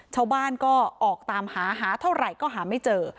ชาวบ้านก็ออกตามหาหาเท่าไหร่ก็หาไม่เจอ